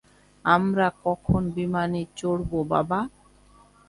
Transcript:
আমরা কখন বিমানে চড়বো, বাবা?